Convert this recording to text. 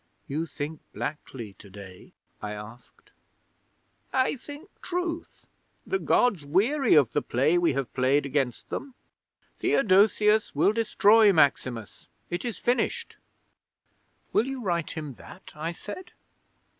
"' '"You think blackly to day?" I asked. '"I think truth. The Gods weary of the play we have played against them. Theodosius will destroy Maximus. It is finished!" '"Will you write him that?" I said.